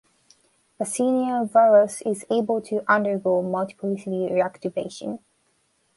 Vaccinia virus is able to undergo multiplicity reactivation.